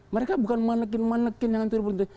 mereka bukan manekin manekin yang terbentuk